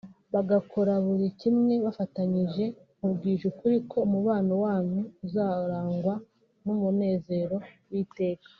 bagakora buri kimwe bafatanyije nkubwije ukuri ko umubano wanyu uzarangwa n’umunezero w’iteka